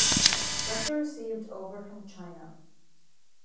Russia received over from China.